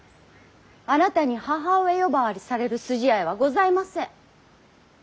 あなたに義母上呼ばわりされる筋合いはございません。